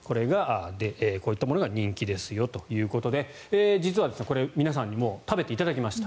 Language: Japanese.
こういったものが人気ですよということで実は、これ、皆さんにもう食べていただきました。